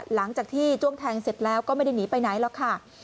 หลังจากที่จ้วงแทงเสร็จแล้วก็ไม่ได้หนีไปไหนหรอกค่ะ